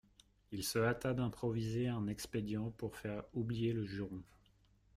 Il se hâta d'improviser un expédient pour faire oublier le juron.